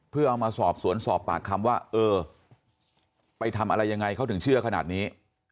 เพื่อเอามาสอบสวนสอบปากคำว่าเออไปทำอะไรยังไงเขาถึงเชื่อขนาดนี้